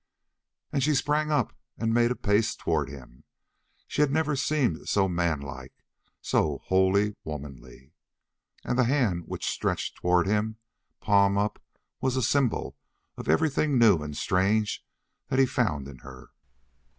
And she sprang up and made a pace toward him. She had never seemed so little manlike, so wholly womanly. And the hand which stretched toward him, palm up, was a symbol of everything new and strange that he found in her.